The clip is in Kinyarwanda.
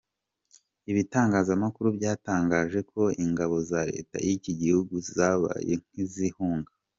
Ibitangazamakuru byatangaje ko ingabo za leta y’iki gihugu zabaye nk’izihunga.